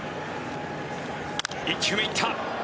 １球目、行った！